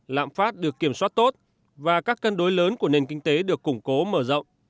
lạm phát được kiểm soát tốt và các cân đối lớn của nền kinh tế được củng cố mở rộng